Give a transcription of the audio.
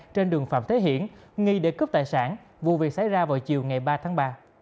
trên đường phạm thế hiển nghi để cướp tài sản vụ việc xảy ra vào chiều ngày ba tháng ba